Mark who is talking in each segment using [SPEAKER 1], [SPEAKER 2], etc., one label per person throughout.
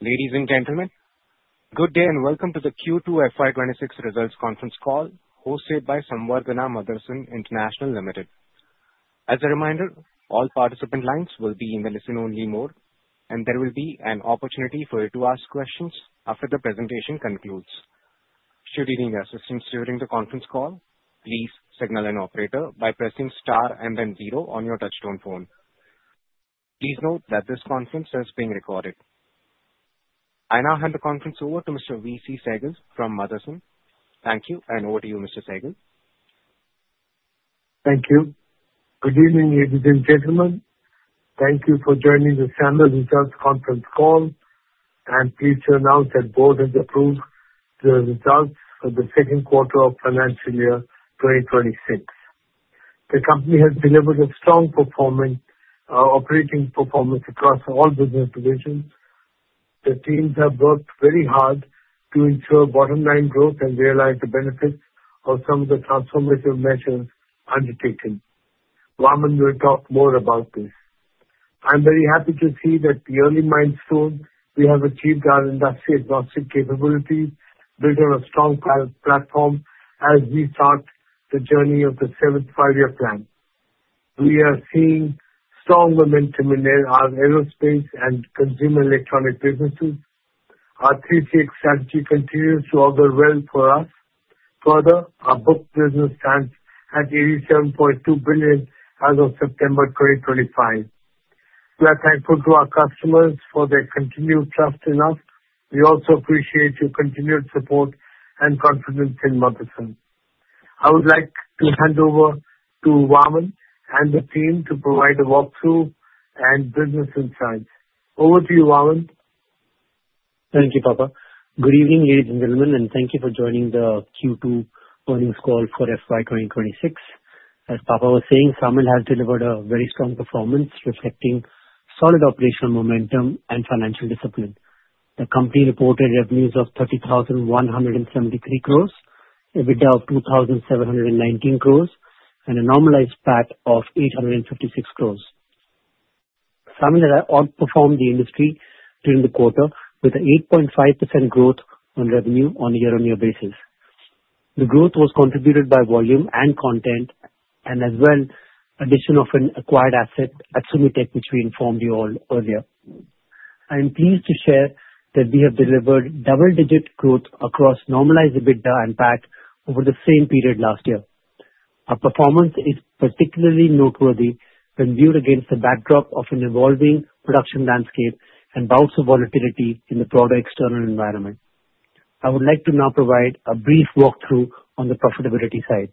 [SPEAKER 1] Ladies and gentlemen, good day and welcome to the Q2 FY 2026 results conference call hosted by Samvardhana Motherson International Limited. As a reminder, all participant lines will be in the listen-only mode, and there will be an opportunity for you to ask questions after the presentation concludes. Should you need assistance during the conference call, please signal an operator by pressing star and then zero on your touch-tone phone. Please note that this conference is being recorded. I now hand the conference over to Mr. Vivek Chaand Sehgal from Motherson. Thank you, and over to you, Mr. Sehgal.
[SPEAKER 2] Thank you. Good evening, ladies and gentlemen. Thank you for joining the Motherson Results Conference Call, and please note that the Board has approved the results for the second quarter of financial year 2026. The company has delivered a strong operating performance across all business divisions. The teams have worked very hard to ensure bottom-line growth and realize the benefits of some of the transformative measures undertaken. Vaaman will talk more about this. I'm very happy to see that the early milestone we have achieved our industry-agnostic capabilities built on a strong platform as we start the journey of the seventh five-year plan. We are seeing strong momentum in our aerospace and consumer electronic businesses. Our three-tier strategy continues to augur well for us. Further, our book business stands at 87.2 billion as of September 2025. We are thankful to our customers for their continued trust in us. We also appreciate your continued support and confidence in Motherson. I would like to hand over to Vaaman and the team to provide a walkthrough and business insights. Over to you, Vaaman.
[SPEAKER 3] Thank you, Papa. Good evening, ladies and gentlemen, and thank you for joining the Q2 earnings call for FY 2026. As Papa was saying, Samvardhana Motherson International Limited has delivered a very strong performance reflecting solid operational momentum and financial discipline. The company reported revenues of 30,173 crore, EBITDA of 2,719 crore, and a normalized PAT of 856 crore. Samvardhana Motherson International Limited outperformed the industry during the quarter with an 8.5% growth on revenue on a year-on-year basis. The growth was contributed by volume and content, and as well, addition of an acquired asset, Aksumitech, which we informed you all earlier. I am pleased to share that we have delivered double-digit growth across normalized EBITDA and PAT over the same period last year. Our performance is particularly noteworthy when viewed against the backdrop of an evolving production landscape and bouts of volatility in the broader external environment. I would like to now provide a brief walkthrough on the profitability side.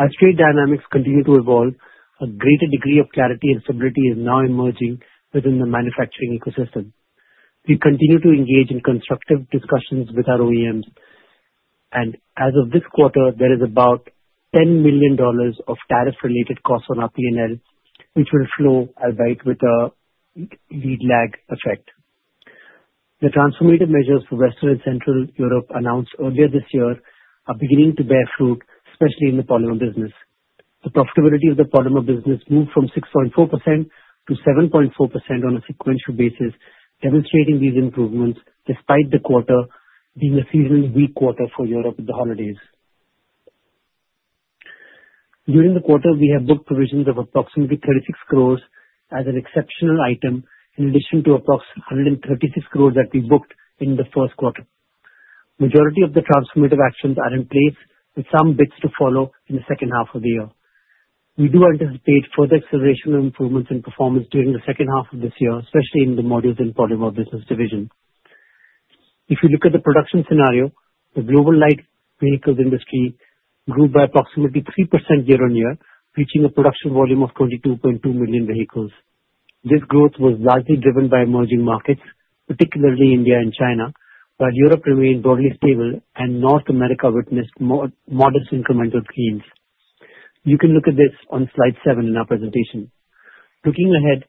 [SPEAKER 3] As trade dynamics continue to evolve, a greater degree of clarity and stability is now emerging within the manufacturing ecosystem. We continue to engage in constructive discussions with our OEMs, and as of this quarter, there is about $10 million of tariff-related costs on our P&L, which will flow albeit with a lead lag effect. The transformative measures for Western and Central Europe announced earlier this year are beginning to bear fruit, especially in the polymer business. The profitability of the polymer business moved from 6.4% to 7.4% on a sequential basis, demonstrating these improvements despite the quarter being a seasonally weak quarter for Europe with the holidays. During the quarter, we have booked provisions of approximately 36 crore as an exceptional item, in addition to approximately 136 crore that we booked in the first quarter. The majority of the transformative actions are in place, with some bits to follow in the second half of the year. We do anticipate further acceleration of improvements in performance during the second half of this year, especially in the modules and polymer business division. If you look at the production scenario, the global light vehicles industry grew by approximately 3% year-on-year, reaching a production volume of 22.2 million vehicles. This growth was largely driven by emerging markets, particularly India and China, while Europe remained broadly stable and North America witnessed modest incremental gains. You can look at this on slide seven in our presentation. Looking ahead,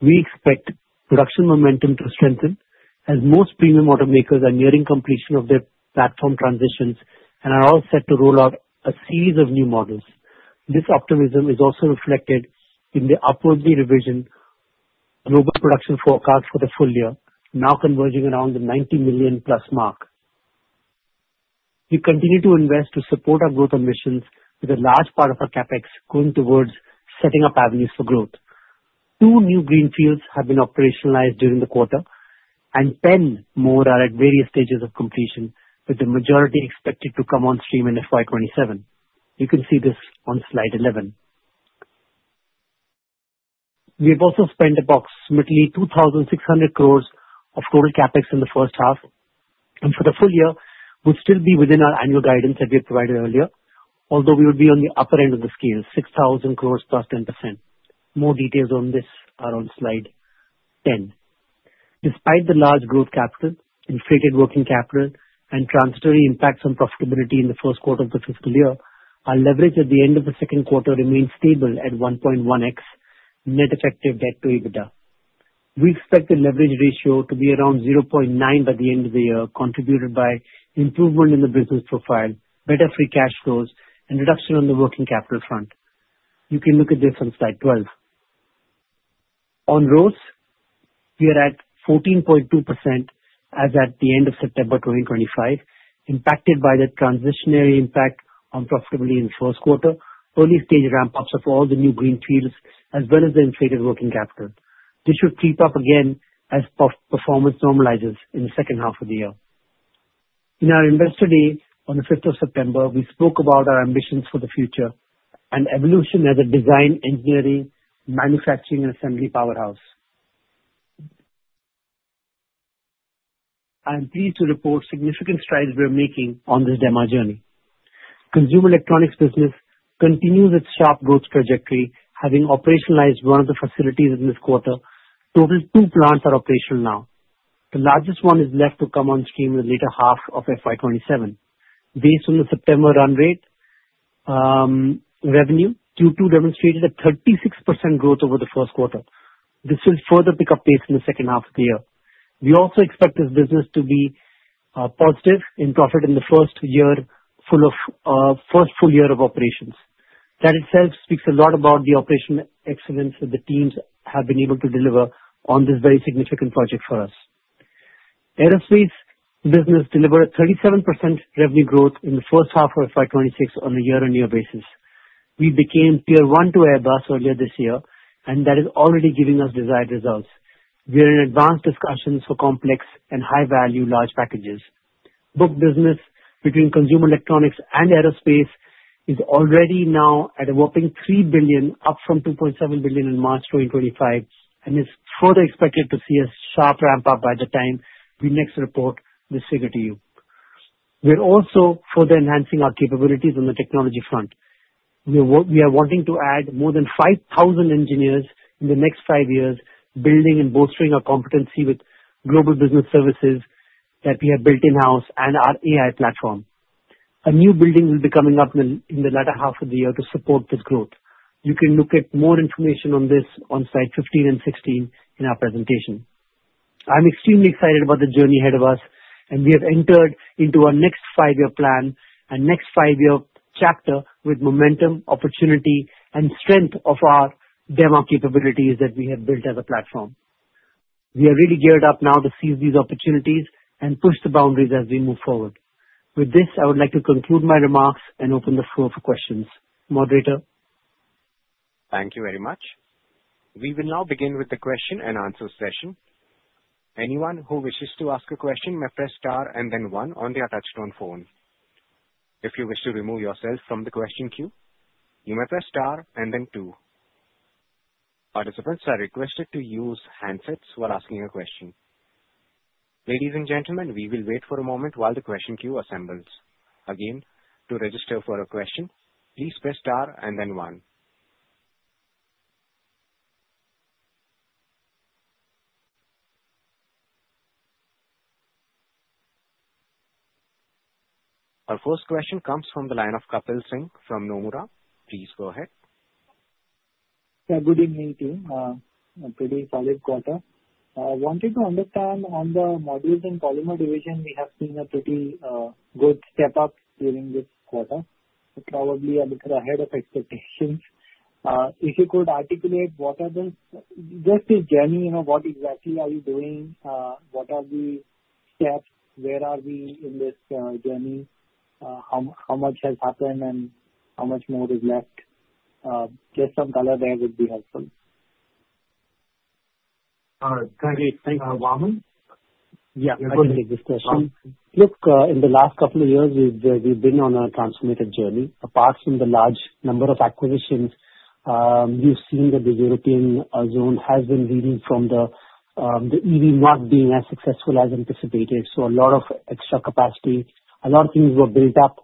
[SPEAKER 3] we expect production momentum to strengthen as most premium automakers are nearing completion of their platform transitions and are all set to roll out a series of new models. This optimism is also reflected in the upwardly revision global production forecast for the full year, now converging around the 90 million-plus mark. We continue to invest to support our growth ambitions, with a large part of our CapEx going towards setting up avenues for growth. Two new greenfields have been operationalized during the quarter, and 10 more are at various stages of completion, with the majority expected to come on stream in FY 2027. You can see this on slide 11. We have also spent approximately 2,600 crore of total CapEx in the first half, and for the full year, we'll still be within our annual guidance that we have provided earlier, although we would be on the upper end of the scale, 6,000 crore plus 10%. More details on this are on slide 10. Despite the large growth capital, inflated working capital, and transitory impacts on profitability in the first quarter of the fiscal year, our leverage at the end of the second quarter remains stable at 1.1x net effective debt to EBITDA. We expect the leverage ratio to be around 0.9 by the end of the year, contributed by improvement in the business profile, better free cash flows, and reduction on the working capital front. You can look at this on slide 12. On ROCE, we are at 14.2% as at the end of September 2025, impacted by the transitionary impact on profitability in the first quarter, early-stage ramp-ups of all the new greenfields, as well as the inflated working capital. This should creep up again as performance normalizes in the second half of the year. In our investor day on the 5th of September, we spoke about our ambitions for the future and evolution as a design, engineering, manufacturing, and assembly powerhouse. I am pleased to report significant strides we are making on this demo journey. Consumer electronics business continues its sharp growth trajectory, having operationalized one of the facilities in this quarter. Total two plants are operational now. The largest one is left to come on stream in the later half of FY 2027. Based on the September run rate, revenue Q2 demonstrated a 36% growth over the first quarter. This will further pick up pace in the second half of the year. We also expect this business to be positive in profit in the first full year of operations. That itself speaks a lot about the operational excellence that the teams have been able to deliver on this very significant project for us. Aerospace business delivered a 37% revenue growth in the first half of FY 2026 on a year-on-year basis. We became tier one to Airbus earlier this year, and that is already giving us desired results. We are in advanced discussions for complex and high-value large packages. Book business between consumer electronics and aerospace is already now at a whopping $3 billion, up from $2.7 billion in March 2025, and is further expected to see a sharp ramp-up by the time we next report this figure to you. We are also further enhancing our capabilities on the technology front. We are wanting to add more than 5,000 engineers in the next five years, building and bolstering our competency with global business services that we have built in-house and our AI platform. A new building will be coming up in the latter half of the year to support this growth. You can look at more information on this on slide 15 and 16 in our presentation. I'm extremely excited about the journey ahead of us, and we have entered into our next five-year plan, a next five-year chapter with momentum, opportunity, and strength of our demo capabilities that we have built as a platform. We are really geared up now to seize these opportunities and push the boundaries as we move forward. With this, I would like to conclude my remarks and open the floor for questions. Moderator.
[SPEAKER 1] Thank you very much. We will now begin with the question-and-answer session. Anyone who wishes to ask a question may press star and then one on the touchstone phone. If you wish to remove yourself from the question queue, you may press star and then two. Participants are requested to use handsets while asking a question. Ladies and gentlemen, we will wait for a moment while the question queue assembles. Again, to register for a question, please press star and then one. Our first question comes from the line of Kapil Singh from Nomura. Please go ahead.
[SPEAKER 4] Yeah, good evening to you. A pretty solid quarter. I wanted to understand on the modules and polymer division, we have seen a pretty good step-up during this quarter. Probably a little ahead of expectations. If you could articulate what are the—just this journey, what exactly are you doing? What are the steps? Where are we in this journey? How much has happened and how much more is left? Just some color there would be helpful.
[SPEAKER 2] Can I get a thing on Vaaman? Yeah, go ahead.
[SPEAKER 3] Look, in the last couple of years, we've been on a transformative journey. Apart from the large number of acquisitions, we've seen that the European zone has been leading from the EV not being as successful as anticipated. A lot of extra capacity, a lot of things were built up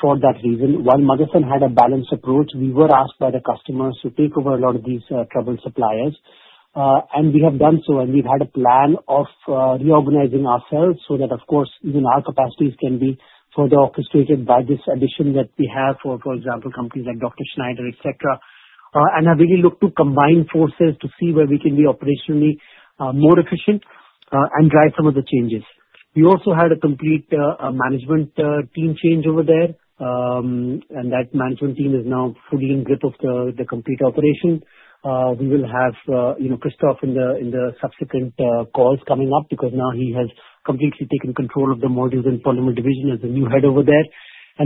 [SPEAKER 3] for that reason. While Motherson had a balanced approach, we were asked by the customers to take over a lot of these troubled suppliers. We have done so, and we've had a plan of reorganizing ourselves so that, of course, even our capacities can be further orchestrated by this addition that we have for, for example, companies like Dr. Schneider, etc. I really look to combine forces to see where we can be operationally more efficient and drive some of the changes. We also had a complete management team change over there, and that management team is now fully in grip of the complete operation. We will have Christoph in the subsequent calls coming up because now he has completely taken control of the modules and polymer division as the new head over there.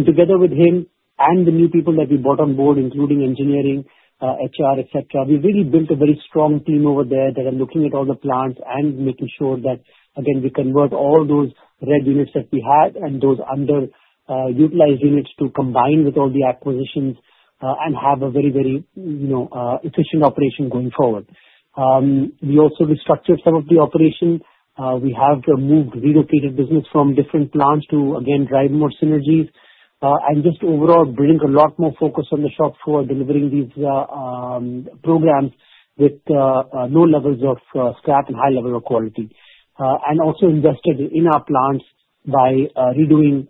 [SPEAKER 3] Together with him and the new people that we brought on board, including engineering, HR, etc., we really built a very strong team over there that are looking at all the plants and making sure that, again, we convert all those red units that we had and those under-utilized units to combine with all the acquisitions and have a very, very efficient operation going forward. We also restructured some of the operation. We have moved, relocated business from different plants to, again, drive more synergies and just overall bring a lot more focus on the shop floor delivering these programs with low levels of scrap and high level of quality. We also invested in our plants by redoing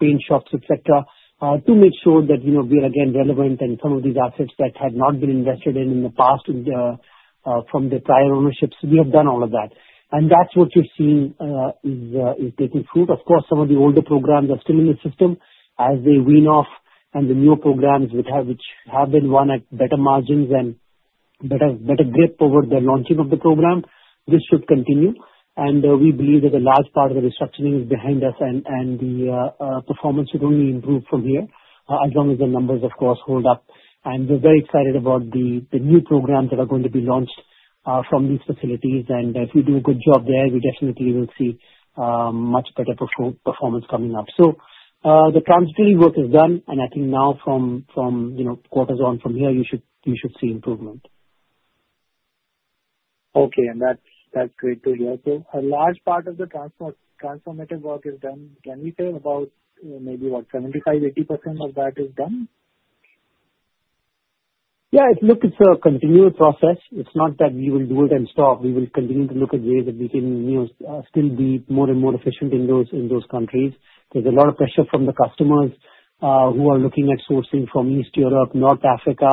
[SPEAKER 3] paint shops, etc., to make sure that we are again relevant and some of these assets that had not been invested in in the past from the prior ownerships. We have done all of that. That is what you have seen is taking fruit. Of course, some of the older programs are still in the system as they wean off, and the new programs which have been won at better margins and better grip over the launching of the program, this should continue. We believe that a large part of the restructuring is behind us, and the performance should only improve from here as long as the numbers, of course, hold up. We are very excited about the new programs that are going to be launched from these facilities. If we do a good job there, we definitely will see much better performance coming up. The transitory work is done, and I think now from quarters on from here, you should see improvement.
[SPEAKER 4] Okay, that is great to hear. A large part of the transformative work is done. Can we say about maybe what, 75-80% of that is done?
[SPEAKER 3] Yeah, look, it's a continuous process. It's not that we will do it and stop. We will continue to look at ways that we can still be more and more efficient in those countries. There's a lot of pressure from the customers who are looking at sourcing from East Europe, North Africa.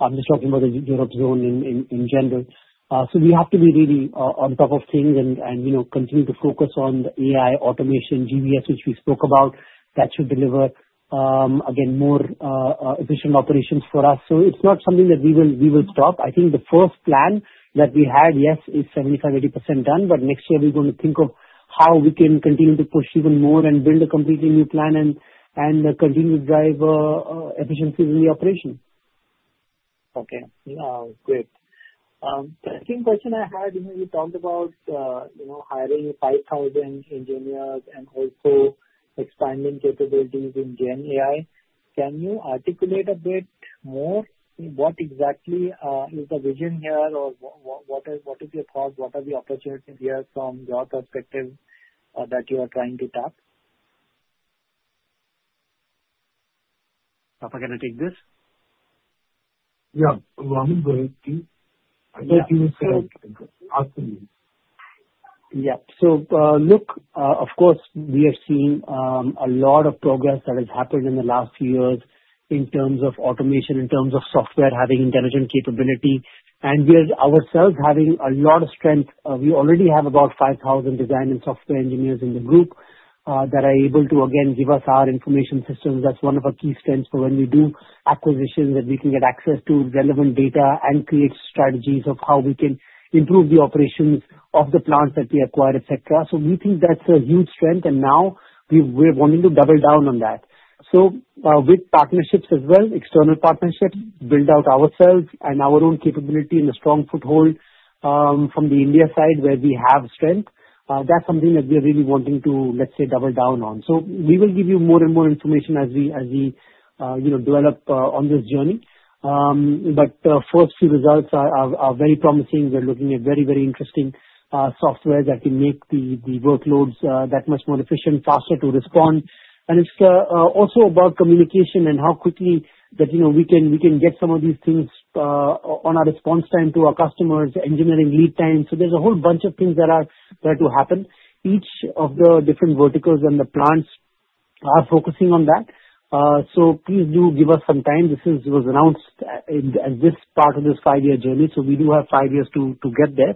[SPEAKER 3] I'm just talking about the Europe zone in general. We have to be really on top of things and continue to focus on the AI automation, GVS, which we spoke about. That should deliver, again, more efficient operations for us. It's not something that we will stop. I think the first plan that we had, yes, is 75%-80% done, but next year we're going to think of how we can continue to push even more and build a completely new plan and continue to drive efficiencies in the operation.
[SPEAKER 4] Okay. Great. The second question I had, you talked about hiring 5,000 engineers and also expanding capabilities in GenAI. Can you articulate a bit more what exactly is the vision here or what is your thought? What are the opportunities here from your perspective that you are trying to tap?
[SPEAKER 3] If I can take this?
[SPEAKER 2] Yeah. I'm going to go to you. I think you said it. Ask me.
[SPEAKER 3] Yeah. Of course, we have seen a lot of progress that has happened in the last few years in terms of automation, in terms of software having intelligent capability. We are ourselves having a lot of strength. We already have about 5,000 design and software engineers in the group that are able to, again, give us our information systems. That is one of our key strengths for when we do acquisitions that we can get access to relevant data and create strategies of how we can improve the operations of the plants that we acquired, etc. We think that is a huge strength, and now we are wanting to double down on that. With partnerships as well, external partnerships, build out ourselves and our own capability and a strong foothold from the India side where we have strength, that's something that we are really wanting to, let's say, double down on. We will give you more and more information as we develop on this journey. First, the results are very promising. We're looking at very, very interesting software that can make the workloads that much more efficient, faster to respond. It's also about communication and how quickly we can get some of these things on our response time to our customers, engineering lead time. There's a whole bunch of things that are to happen. Each of the different verticals and the plants are focusing on that. Please do give us some time. This was announced at this part of this five-year journey, so we do have five years to get there.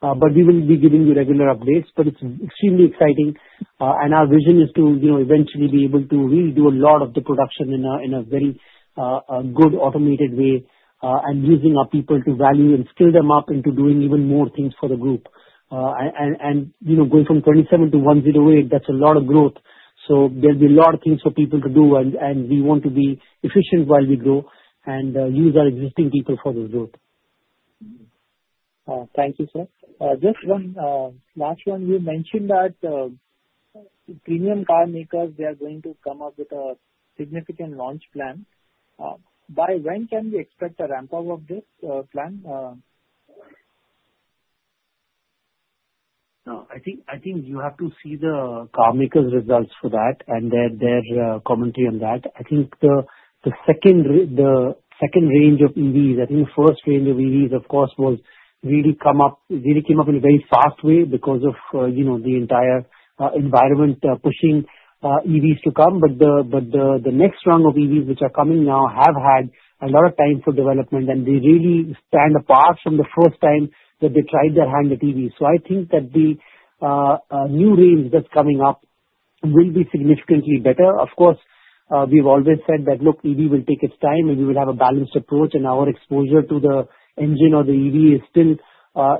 [SPEAKER 3] We will be giving you regular updates, but it is extremely exciting. Our vision is to eventually be able to really do a lot of the production in a very good automated way and use our people to value and skill them up into doing even more things for the group. Going from 27 to 108, that is a lot of growth. There will be a lot of things for people to do, and we want to be efficient while we grow and use our existing people for the growth.
[SPEAKER 4] Thank you, sir. Just one last one. You mentioned that premium car makers, they are going to come up with a significant launch plan. By when can we expect a ramp-up of this plan?
[SPEAKER 3] I think you have to see the car makers' results for that and their commentary on that. I think the second range of EVs, I think the first range of EVs, of course, really came up in a very fast way because of the entire environment pushing EVs to come. The next rung of EVs which are coming now have had a lot of time for development, and they really stand apart from the first time that they tried their hand at EVs. I think that the new range that's coming up will be significantly better. Of course, we've always said that, look, EV will take its time, and we will have a balanced approach, and our exposure to the engine or the EV is still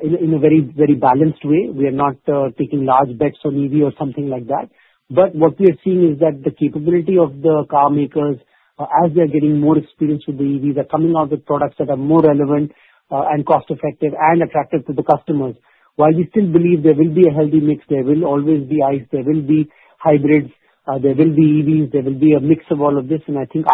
[SPEAKER 3] in a very, very balanced way. We are not taking large bets on EV or something like that. What we are seeing is that the capability of the car makers, as they're getting more experienced with the EVs, are coming out with products that are more relevant and cost-effective and attractive to the customers. While we still believe there will be a healthy mix, there will always be ICE, there will be hybrids, there will be EVs, there will be a mix of all of this. I think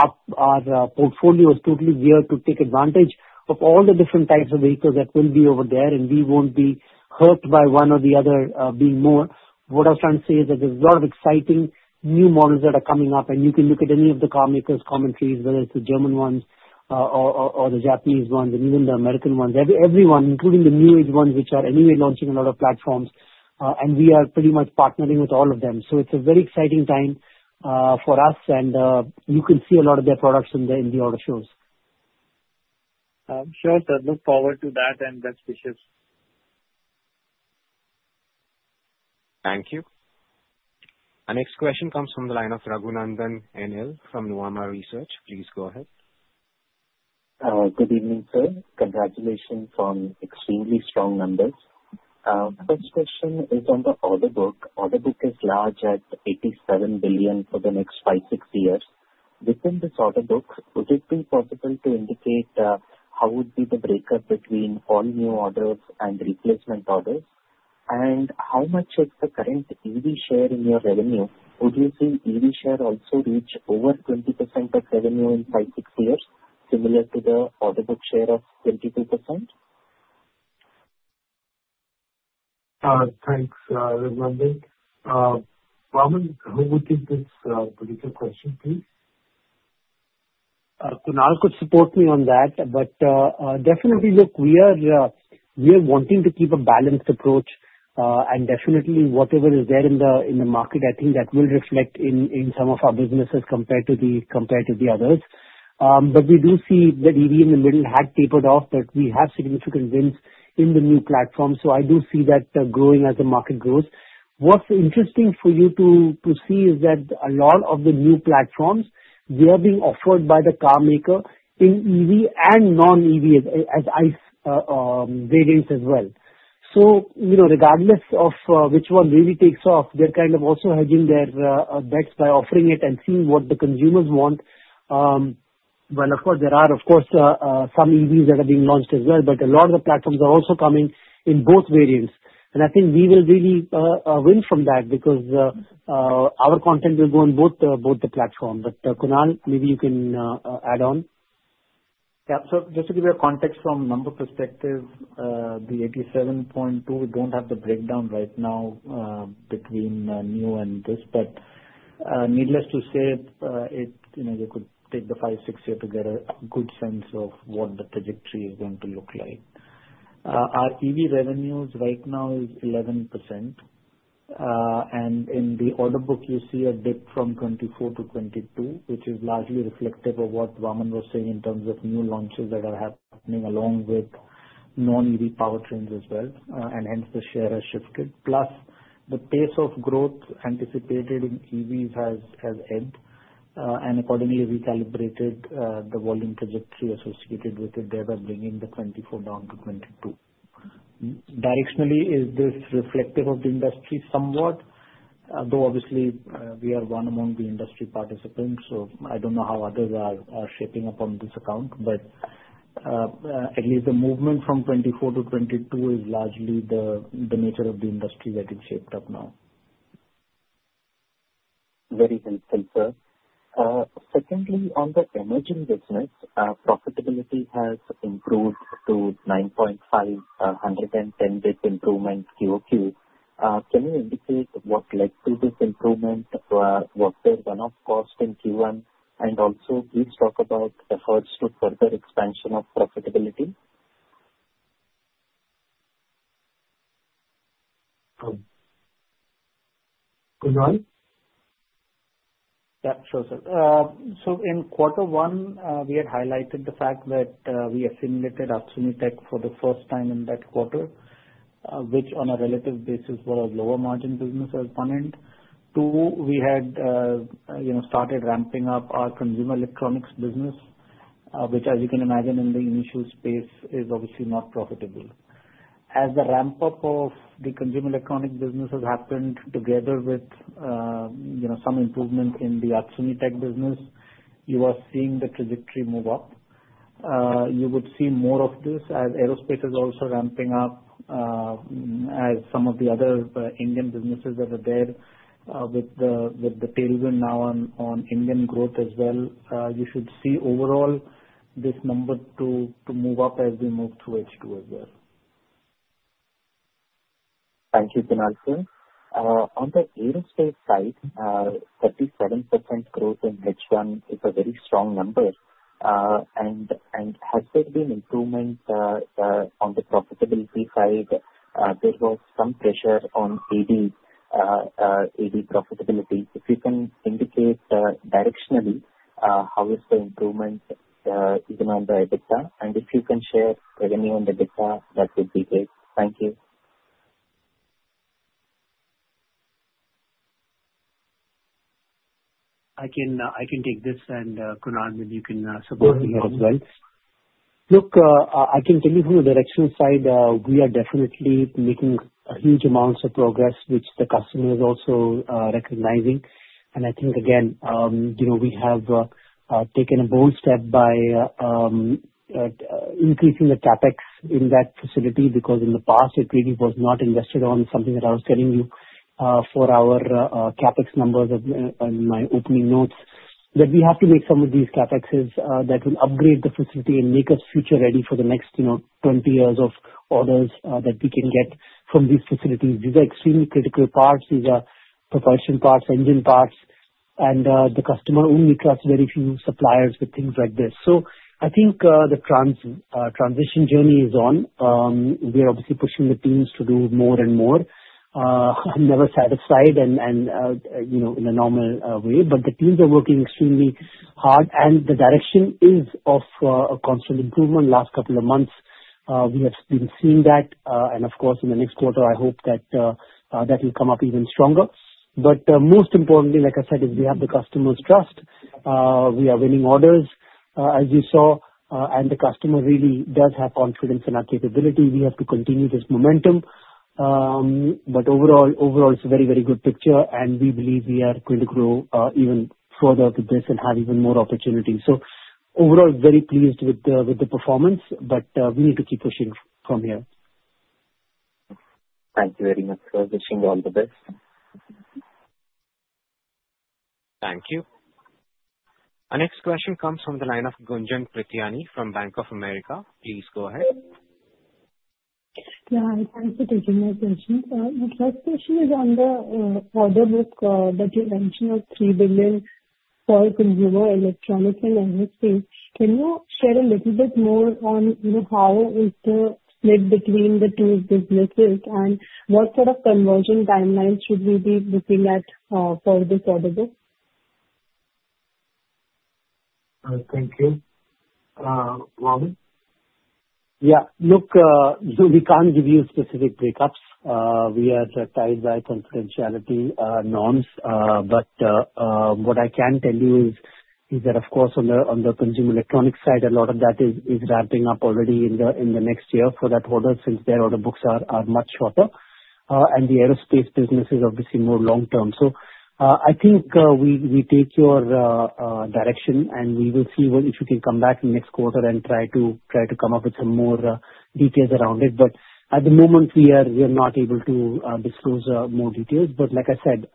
[SPEAKER 3] our portfolio is totally geared to take advantage of all the different types of vehicles that will be over there, and we won't be hurt by one or the other being more. What I was trying to say is that there's a lot of exciting new models that are coming up, and you can look at any of the car makers' commentaries, whether it's the German ones or the Japanese ones and even the American ones, everyone, including the new age ones which are anyway launching a lot of platforms. We are pretty much partnering with all of them. It is a very exciting time for us, and you can see a lot of their products in the auto shows.
[SPEAKER 4] Sure. So look forward to that and best wishes.
[SPEAKER 1] Thank you. Our next question comes from the line of Raghunandhan NL from Nomura Research. Please go ahead.
[SPEAKER 5] Good evening, sir. Congratulations on extremely strong numbers. First question is on the order book. Order book is large at 87 billion for the next five, six years. Within this order book, would it be possible to indicate how would be the breakup between all new orders and replacement orders? And how much is the current EV share in your revenue? Would you see EV share also reach over 20% of revenue in five, six years, similar to the order book share of 22%?
[SPEAKER 2] Thanks, Raghunandan. Vaaman, who would give this particular question, please?
[SPEAKER 3] Kunal could support me on that, but definitely, look, we are wanting to keep a balanced approach. Definitely, whatever is there in the market, I think that will reflect in some of our businesses compared to the others. We do see that EV in the middle had tapered off, but we have significant wins in the new platform. I do see that growing as the market grows. What's interesting for you to see is that a lot of the new platforms, they are being offered by the car maker in EV and non-EV as ICE variants as well. Regardless of which one really takes off, they're kind of also hedging their bets by offering it and seeing what the consumers want. Of course, there are some EVs that are being launched as well, but a lot of the platforms are also coming in both variants. I think we will really win from that because our content will go on both the platform. Kunal, maybe you can add on.
[SPEAKER 6] Yeah. Just to give you a context from a number perspective, the 87.2, we do not have the breakdown right now between new and this, but needless to say, you could take the five-six year to get a good sense of what the trajectory is going to look like. Our EV revenues right now is 11%. In the order book, you see a dip from 24%-22%, which is largely reflective of what Vaaman was saying in terms of new launches that are happening along with non-EV powertrains as well. Hence, the share has shifted. Plus, the pace of growth anticipated in EVs has ebbed and accordingly recalibrated the volume trajectory associated with it. They are bringing the 24% down to 22%. Directionally, is this reflective of the industry somewhat? Though obviously, we are one among the industry participants, so I don't know how others are shaping up on this account, but at least the movement from 24 to 22 is largely the nature of the industry that is shaped up now.
[SPEAKER 5] Very interesting, sir. Secondly, on the energy business, profitability has improved to 9.5%, 110 basis points improvement QOQ. Can you indicate what led to this improvement? Was there one-off cost in Q1? Also, please talk about efforts to further expansion of profitability.
[SPEAKER 2] Kunal?
[SPEAKER 6] Yeah, sure, sir. In quarter one, we had highlighted the fact that we assimilated Aksumitech for the first time in that quarter, which on a relative basis was a lower margin business as one end. Two, we had started ramping up our consumer electronics business, which, as you can imagine, in the initial space is obviously not profitable. As the ramp-up of the consumer electronics business has happened together with some improvements in the Aksumitech business, you are seeing the trajectory move up. You would see more of this as aerospace is also ramping up, as some of the other Indian businesses that are there with the tailwind now on Indian growth as well. You should see overall this number move up as we move to H2 as well.
[SPEAKER 5] Thank you, Kunal. On the aerospace side, 37% growth in H1 is a very strong number. Has there been improvement on the profitability side? There was some pressure on AD profitability. If you can indicate directionally how is the improvement even on the EBITDA, and if you can share revenue on EBITDA, that would be great. Thank you.
[SPEAKER 3] I can take this, and Kunal, you can support me here as well. Look, I can tell you from the directional side, we are definitely making huge amounts of progress, which the customer is also recognizing. I think, again, we have taken a bold step by increasing the CapEx in that facility because in the past, it really was not invested on something that I was telling you for our CapEx numbers in my opening notes, that we have to make some of these CapExes that will upgrade the facility and make us future-ready for the next 20 years of orders that we can get from these facilities. These are extremely critical parts. These are propulsion parts, engine parts, and the customer only trusts very few suppliers with things like this. I think the transition journey is on. We are obviously pushing the teams to do more and more. I'm never satisfied in a normal way, but the teams are working extremely hard, and the direction is of constant improvement. The last couple of months, we have been seeing that. Of course, in the next quarter, I hope that that will come up even stronger. Most importantly, like I said, is we have the customer's trust. We are winning orders, as you saw, and the customer really does have confidence in our capability. We have to continue this momentum. Overall, it's a very, very good picture, and we believe we are going to grow even further with this and have even more opportunities. Overall, very pleased with the performance, but we need to keep pushing from here.
[SPEAKER 5] Thank you very much for wishing all the best.
[SPEAKER 1] Thank you. Our next question comes from the line of Gunjan Prithyani from Bank of America. Please go ahead.
[SPEAKER 7] Yeah, thanks for taking my question. The first question is on the order book that you mentioned of $3 billion for consumer electronics and aerospace. Can you share a little bit more on how is the split between the two businesses and what sort of conversion timelines should we be looking at for this order book?
[SPEAKER 2] Thank you. Vaaman?
[SPEAKER 3] Yeah. Look, we can't give you specific breakups. We are tied by confidentiality norms. What I can tell you is that, of course, on the consumer electronics side, a lot of that is ramping up already in the next year for that order since their order books are much shorter. The aerospace business is obviously more long-term. I think we take your direction, and we will see if we can come back next quarter and try to come up with some more details around it. At the moment, we are not able to disclose more details. Like I said,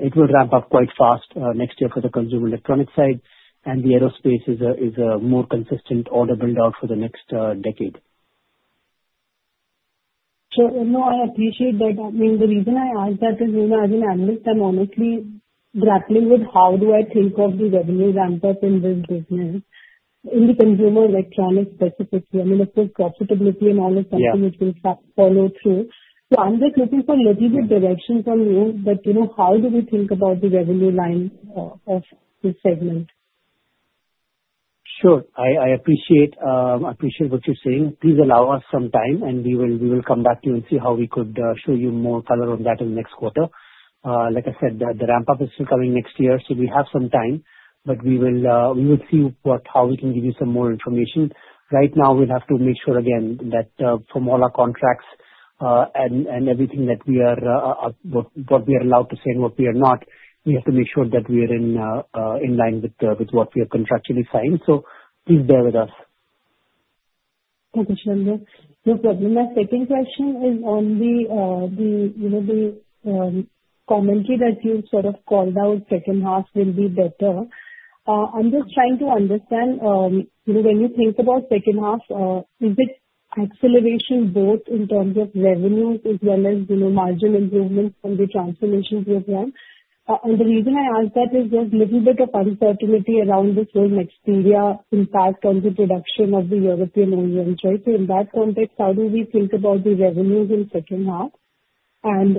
[SPEAKER 3] it will ramp up quite fast next year for the consumer electronics side, and the aerospace is a more consistent order build-out for the next decade.
[SPEAKER 7] Sure. No, I appreciate that. I mean, the reason I asked that is, as an analyst, I'm honestly grappling with how do I think of the revenue ramp-up in this business in the consumer electronics specifically. I mean, of course, profitability and all is something which will follow through. I am just looking for a little bit of direction from you, but how do we think about the revenue line of this segment?
[SPEAKER 3] Sure. I appreciate what you're saying. Please allow us some time, and we will come back to you and see how we could show you more color on that in the next quarter. Like I said, the ramp-up is still coming next year, so we have some time, but we will see how we can give you some more information. Right now, we'll have to make sure again that from all our contracts and everything that we are what we are allowed to say and what we are not, we have to make sure that we are in line with what we have contractually signed. Please bear with us.
[SPEAKER 7] Thank you, Shravandan. No problem. My second question is on the commentary that you sort of called out, second half will be better. I'm just trying to understand when you think about second half, is it acceleration both in terms of revenues as well as margin improvements from the transformation program? The reason I ask that is there's a little bit of uncertainty around this whole Nexteria impact on the production of the European oil and joint. In that context, how do we think about the revenues in second half and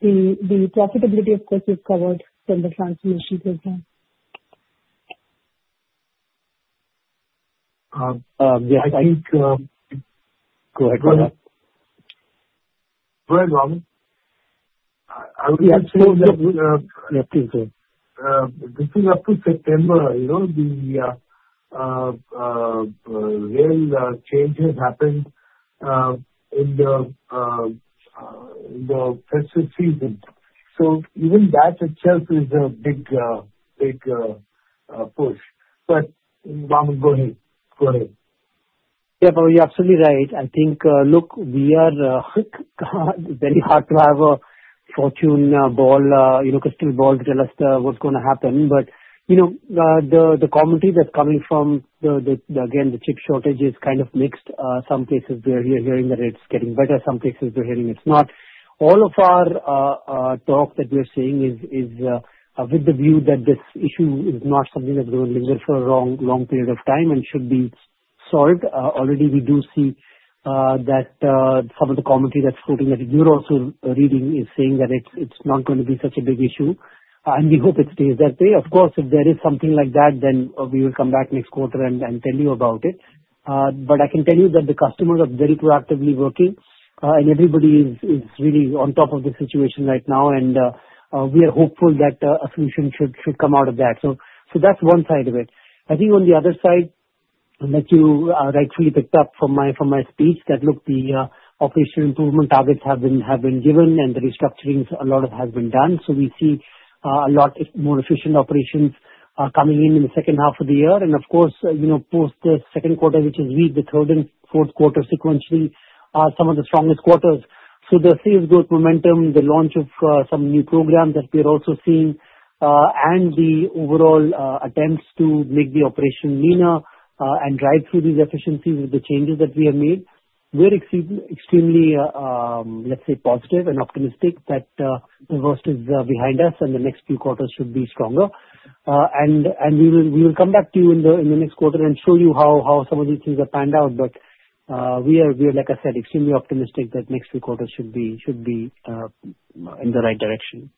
[SPEAKER 7] the profitability, of course, you've covered from the transformation program?
[SPEAKER 2] Yes, I think.
[SPEAKER 3] Go ahead, Kunal. Go ahead, Vaaman. I would like to say that. Yeah, please go.
[SPEAKER 6] This is up to September. The real change has happened in the festive season. Even that itself is a big push. Vaaman, go ahead. Go ahead.
[SPEAKER 3] Yeah, you're absolutely right. I think, look, we are very hard to have a fortune ball, crystal ball, to tell us what's going to happen. The commentary that's coming from, again, the chip shortage is kind of mixed. Some places we are hearing that it's getting better. Some places we're hearing it's not. All of our talk that we're seeing is with the view that this issue is not something that's going to linger for a long period of time and should be solved. Already, we do see that some of the commentary that's floating that you're also reading is saying that it's not going to be such a big issue. We hope it stays that way. Of course, if there is something like that, then we will come back next quarter and tell you about it. I can tell you that the customers are very proactively working, and everybody is really on top of the situation right now. We are hopeful that a solution should come out of that. That is one side of it. I think on the other side, and you rightfully picked up from my speech, that look, the operational improvement targets have been given, and the restructuring, a lot has been done. We see a lot more efficient operations coming in in the second half of the year. Of course, post the second quarter, which is weak, the third and fourth quarter sequentially are some of the strongest quarters. The sales growth momentum, the launch of some new programs that we are also seeing, and the overall attempts to make the operation leaner and drive through these efficiencies with the changes that we have made, we are extremely, let's say, positive and optimistic that the worst is behind us and the next few quarters should be stronger. We will come back to you in the next quarter and show you how some of these things have panned out. We are, like I said, extremely optimistic that next few quarters should be in the right direction.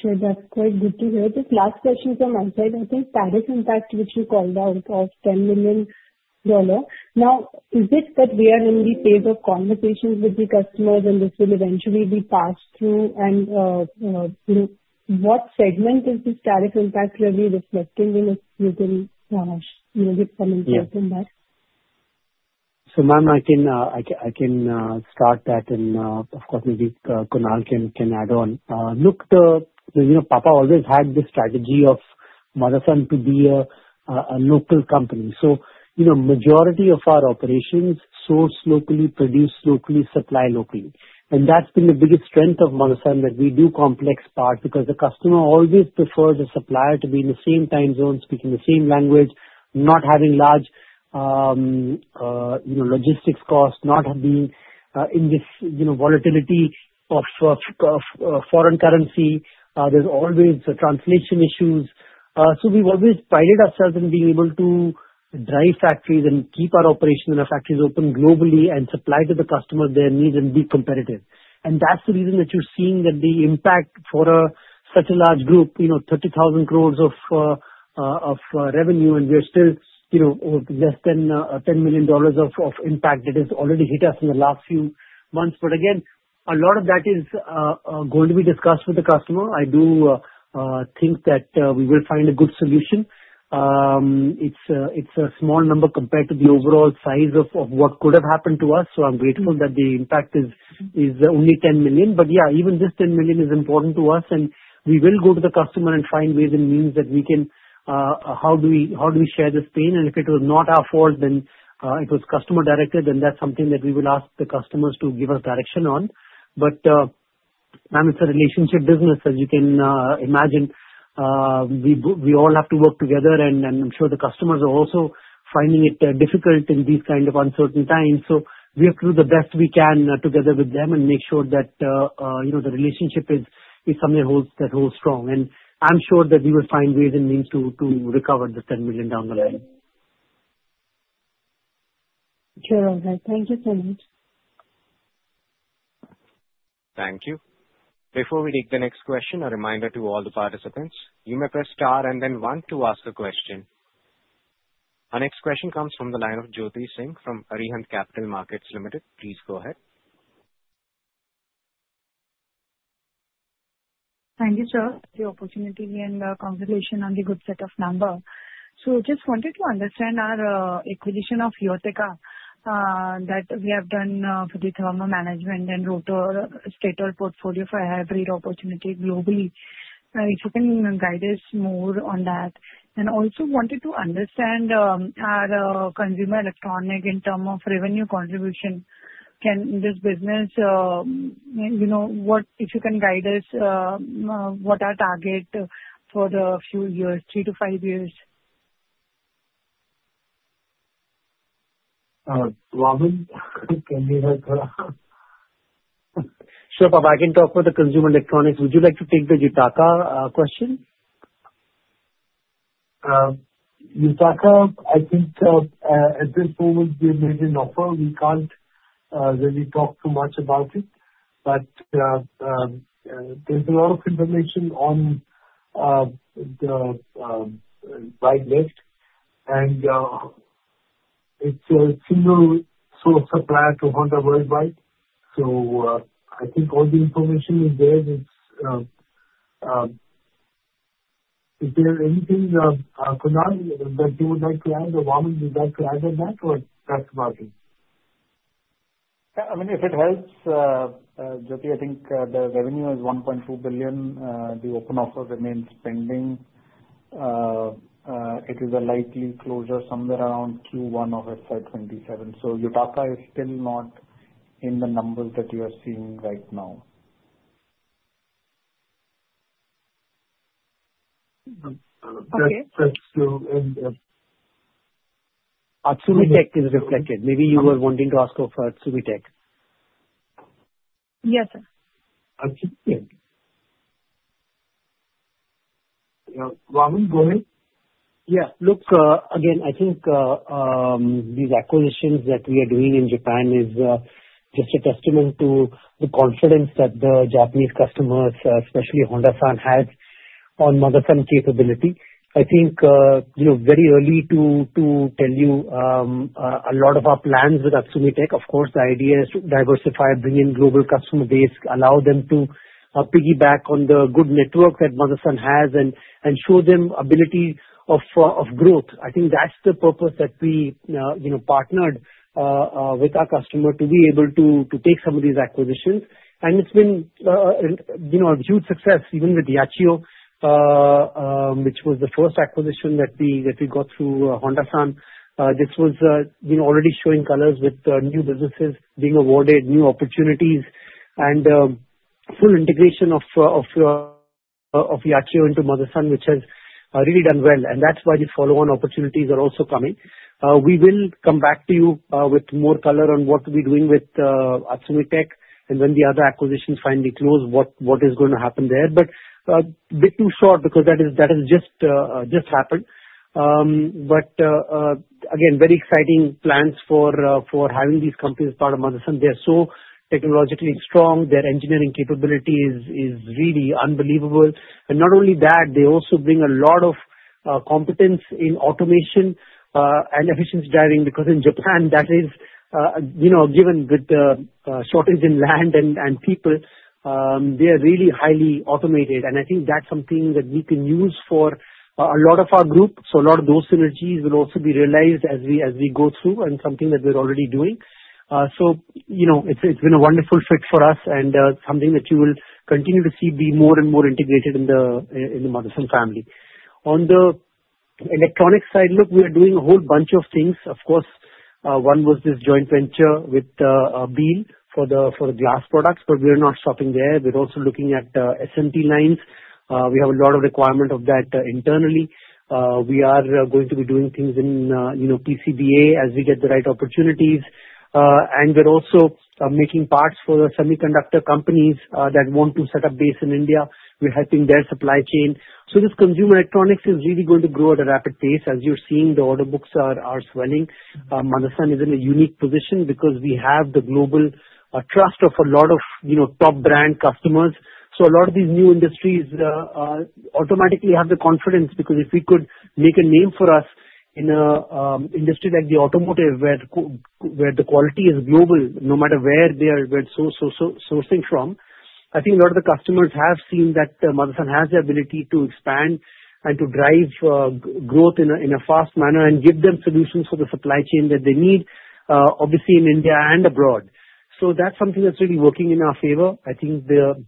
[SPEAKER 7] Sure. That's quite good to hear. Just last question from my side. I think tariff impact, which you called out, of $10 million. Now, is it that we are in the phase of conversations with the customers and this will eventually be passed through? What segment is this tariff impact really reflecting in if you can give commentary on that?
[SPEAKER 3] I can start that, and of course, maybe Kunal can add on. Look, Papa always had the strategy of Motherson to be a local company. Majority of our operations source locally, produce locally, supply locally. That has been the biggest strength of Motherson, that we do complex parts because the customer always prefers a supplier to be in the same time zone, speaking the same language, not having large logistics costs, not being in this volatility of foreign currency. There are always translation issues. We have always prided ourselves on being able to drive factories and keep our operations and our factories open globally and supply to the customer their needs and be competitive. That is the reason that you're seeing that the impact for such a large group, 30,000 crore of revenue, and we are still less than $10 million of impact that has already hit us in the last few months. Again, a lot of that is going to be discussed with the customer. I do think that we will find a good solution. It is a small number compared to the overall size of what could have happened to us. I am grateful that the impact is only $10 million. Even this $10 million is important to us, and we will go to the customer and find ways and means that we can, how do we share this pain? If it was not our fault, then it was customer-directed, then that is something that we will ask the customers to give us direction on. I mean, it's a relationship business, as you can imagine. We all have to work together, and I'm sure the customers are also finding it difficult in these kinds of uncertain times. We have to do the best we can together with them and make sure that the relationship is something that holds strong. I'm sure that we will find ways and means to recover the $10 million down the line.
[SPEAKER 7] Sure. Thank you so much.
[SPEAKER 1] Thank you. Before we take the next question, a reminder to all the participants, you may press star and then one to ask a question. Our next question comes from the line of Jyoti Singh from Arihant Capital Markets Limited. Please go ahead.
[SPEAKER 8] Thank you, sir. The opportunity and the consolidation on the good set of number. I just wanted to understand our acquisition of Eoteca that we have done for the thermal management and rotor stator portfolio for every opportunity globally. If you can guide us more on that. I also wanted to understand our consumer electronic in terms of revenue contribution. Can this business, if you can guide us, what are targets for the few years, three to five years?
[SPEAKER 2] Vaaman, can you help?
[SPEAKER 3] Sure, Papa. I can talk for the consumer electronics. Would you like to take the Eoteca question?
[SPEAKER 2] Eoteca, I think at this moment, we have made an offer. We can't really talk too much about it, but there's a lot of information on the right left. And it's a single source supplier to Honda worldwide. I think all the information is there. Is there anything, Kunal, that you would like to add? Or Vaaman, would you like to add on that, or that's about it?
[SPEAKER 9] Yeah. I mean, if it helps, Jyoti, I think the revenue is 1.2 billion. The open offer remains pending. It is a likely closure somewhere around Q1 of FY 2027. Eoteca is still not in the numbers that you are seeing right now.
[SPEAKER 8] Okay.
[SPEAKER 3] Absolute Tech is reflected. Maybe you were wanting to ask for Absolute Tech.
[SPEAKER 8] Yes, sir.
[SPEAKER 2] Absolute Tech. Vaaman, go ahead.
[SPEAKER 3] Yeah. Look, again, I think these acquisitions that we are doing in Japan is just a testament to the confidence that the Japanese customers, especially Honda Son, have on Motherson capability. I think very early to tell you a lot of our plans with Absolute Tech. Of course, the idea is to diversify, bring in global customer base, allow them to piggyback on the good network that Motherson has, and show them ability of growth. I think that's the purpose that we partnered with our customer to be able to take some of these acquisitions. It's been a huge success, even with Yachio, which was the first acquisition that we got through Honda Son. This was already showing colors with new businesses being awarded, new opportunities, and full integration of Yachio into Motherson, which has really done well. That's why the follow-on opportunities are also coming. We will come back to you with more color on what we're doing with Absolute Tech and when the other acquisitions finally close, what is going to happen there. It is a bit too short because that has just happened. Again, very exciting plans for having these companies part of Motherson. They're so technologically strong. Their engineering capability is really unbelievable. Not only that, they also bring a lot of competence in automation and efficiency driving because in Japan, that is given with the shortage in land and people, they are really highly automated. I think that's something that we can use for a lot of our group. A lot of those synergies will also be realized as we go through and something that we're already doing. It has been a wonderful fit for us and something that you will continue to see be more and more integrated in the Motherson family. On the electronics side, look, we are doing a whole bunch of things. Of course, one was this joint venture with BEAL for the glass products, but we're not stopping there. We are also looking at SMT lines. We have a lot of requirement of that internally. We are going to be doing things in PCBA as we get the right opportunities. We are also making parts for the semiconductor companies that want to set up base in India. We are helping their supply chain. This consumer electronics is really going to grow at a rapid pace. As you are seeing, the order books are swelling. Motherson is in a unique position because we have the global trust of a lot of top brand customers. A lot of these new industries automatically have the confidence because if we could make a name for us in an industry like the automotive where the quality is global, no matter where they are sourcing from, I think a lot of the customers have seen that Motherson has the ability to expand and to drive growth in a fast manner and give them solutions for the supply chain that they need, obviously in India and abroad. That is something that is really working in our favor. I think the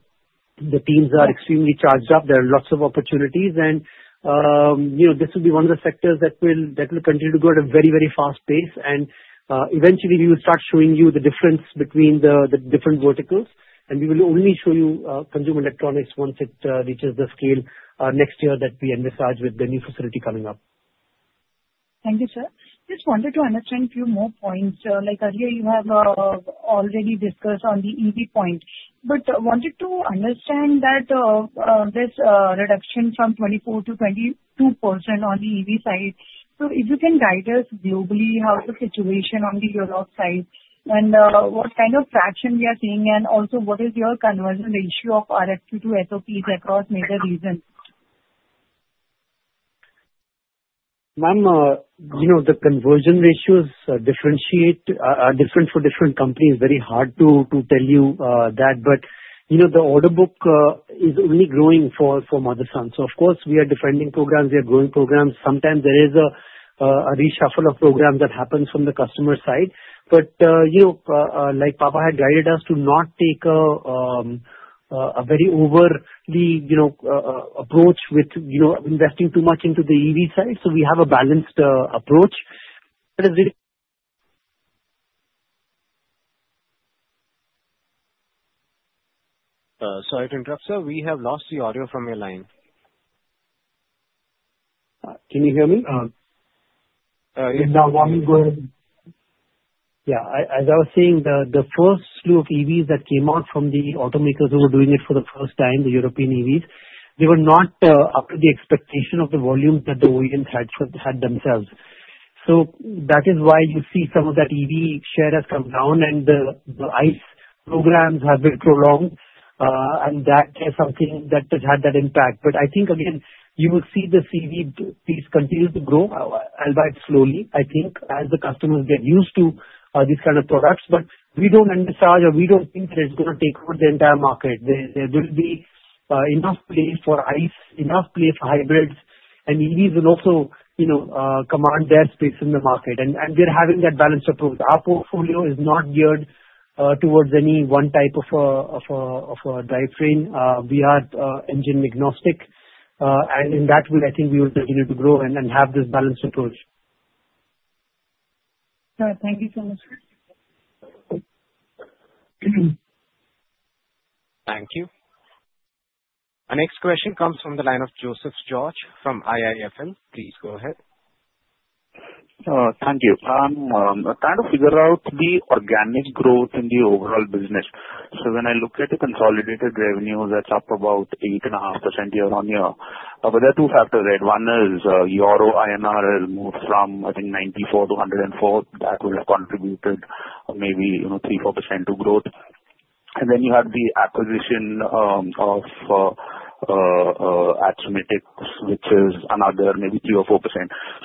[SPEAKER 3] teams are extremely charged up. There are lots of opportunities. This will be one of the sectors that will continue to grow at a very, very fast pace. Eventually, we will start showing you the difference between the different verticals. We will only show you consumer electronics once it reaches the scale next year that we envisage with the new facility coming up.
[SPEAKER 8] Thank you, sir. Just wanted to understand a few more points. Like earlier, you have already discussed on the EV point, but wanted to understand that there's a reduction from 24% to 22% on the EV side. If you can guide us globally, how's the situation on the Europe side? What kind of traction are we seeing? Also, what is your conversion ratio of RFQ to SOPs across major regions?
[SPEAKER 6] Ma'am, the conversion ratios are different for different companies. Very hard to tell you that. The order book is only growing for Motherson. Of course, we are defending programs. We are growing programs. Sometimes there is a reshuffle of programs that happens from the customer side. Like Papa had guided us to not take a very overly approach with investing too much into the EV side. We have a balanced approach.
[SPEAKER 1] Sorry to interrupt, sir. We have lost the audio from your line.
[SPEAKER 6] Can you hear me?
[SPEAKER 2] Yeah, Malani, go ahead.
[SPEAKER 6] Yeah. As I was saying, the first slew of EVs that came out from the automakers who were doing it for the first time, the European EVs, they were not up to the expectation of the volumes that the OEMs had themselves. That is why you see some of that EV share has come down, and the ICE programs have been prolonged. That is something that has had that impact. I think, again, you will see this EV piece continue to grow, albeit slowly, I think, as the customers get used to these kinds of products. We do not envisage or we do not think that it is going to take over the entire market. There will be enough place for ICE, enough place for hybrids, and EVs will also command their space in the market. We are having that balanced approach. Our portfolio is not geared towards any one type of drivetrain. We are engine agnostic. In that way, I think we will continue to grow and have this balanced approach.
[SPEAKER 8] Sure. Thank you so much.
[SPEAKER 1] Thank you. Our next question comes from the line of Joseph George from IIFL. Please go ahead.
[SPEAKER 10] Thank you. I'm trying to figure out the organic growth in the overall business. So when I look at the consolidated revenues, that's up about 8.5% year on year. But there are two factors there. One is EUR INR moved from, I think, 94 to 104. That will have contributed maybe 3%-4% to growth. And then you have the acquisition of Absolute Tech, which is another maybe 3% or 4%.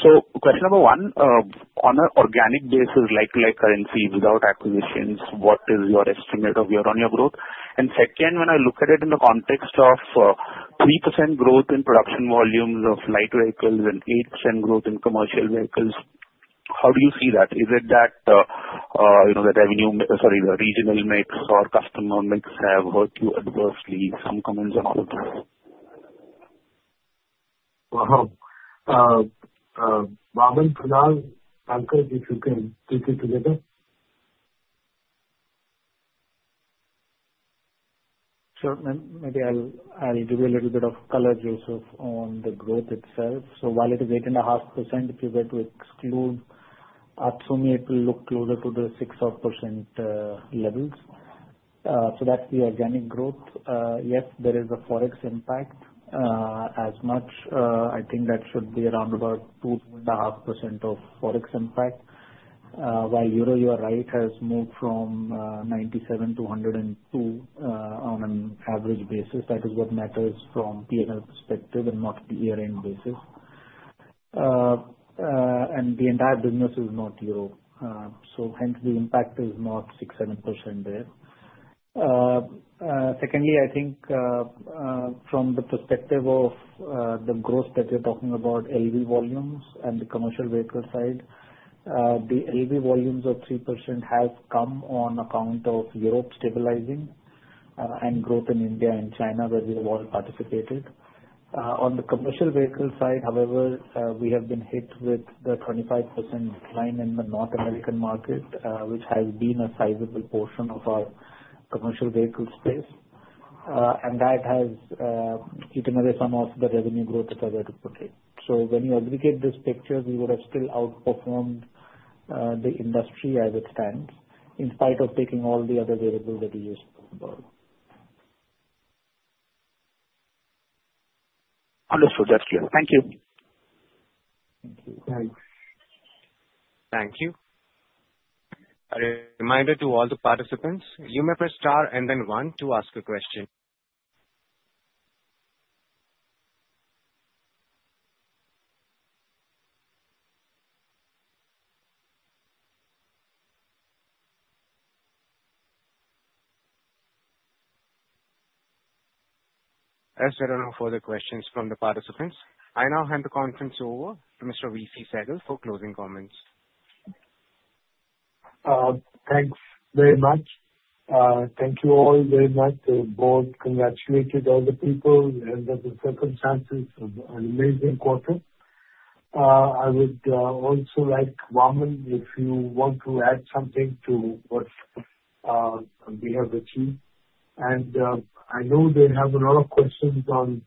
[SPEAKER 10] So question number one, on an organic basis, like currency without acquisitions, what is your estimate of year-on-year growth? And second, when I look at it in the context of 3% growth in production volumes of light vehicles and 8% growth in commercial vehicles, how do you see that? Is it that the revenue, sorry, the regional mix or customer mix have hurt you adversely? Some comments on all of this.
[SPEAKER 2] Vaaman, Kunal, Ankur, if you can take it together.
[SPEAKER 3] Sure. Maybe I'll give you a little bit of color, Joseph, on the growth itself. While it is 8.5%, if you were to exclude Absolute, it will look closer to the 6% levels. That is the organic growth. Yes, there is a forex impact as much. I think that should be around about 2.5% of forex impact, while EUR has moved from 97 to 102 on an average basis. That is what matters from P&L perspective and not year-end basis. The entire business is not EUR. Hence, the impact is not 6%-7% there. Secondly, from the perspective of the growth that you're talking about, LV volumes and the commercial vehicle side, the LV volumes of 3% have come on account of Europe stabilizing and growth in India and China where we have all participated. On the commercial vehicle side, however, we have been hit with the 25% decline in the North American market, which has been a sizable portion of our commercial vehicle space. That has eaten away some of the revenue growth, if I were to put it. When you aggregate this picture, we would have still outperformed the industry as it stands, in spite of taking all the other variables that we used to consider.
[SPEAKER 10] Understood. That's clear. Thank you.
[SPEAKER 3] Thank you.
[SPEAKER 1] Thank you. A reminder to all the participants, you may press star and then one to ask a question. As there are no further questions from the participants, I now hand the conference over to Mr. Vivek Chaand Sehgal for closing comments.
[SPEAKER 2] Thanks very much. Thank you all very much. I've both congratulated all the people and the circumstances of an amazing quarter. I would also like Raghun, if you want to add something to what we have achieved. I know they have a lot of questions on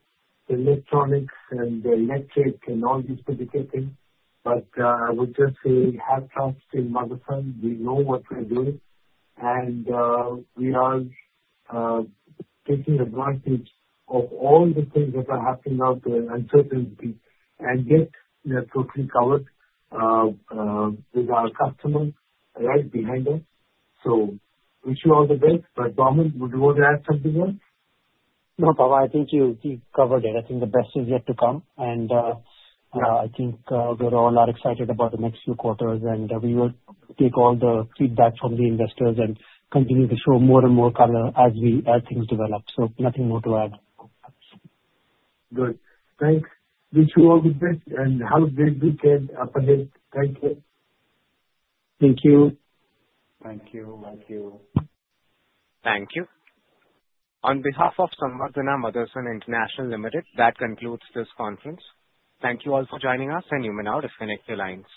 [SPEAKER 2] electronics and electric and all these particular things, but I would just say hats off to Motherson. We know what we're doing. We are taking advantage of all the things that are happening out there, uncertainty, and yet we are totally covered with our customer right behind us. Wish you all the best. Raghun, would you want to add something else?
[SPEAKER 3] No, Papa, I think you have covered it. I think the best is yet to come. I think we are all excited about the next few quarters. We will take all the feedback from the investors and continue to show more and more color as things develop. Nothing more to add.
[SPEAKER 2] Good. Thanks. Wish you all the best and have a very good day. Thank you.
[SPEAKER 3] Thank you.
[SPEAKER 6] Thank you. Thank you.
[SPEAKER 1] Thank you. On behalf of Samvardhana Motherson International Limited, that concludes this conference. Thank you all for joining us and you may now disconnect your lines.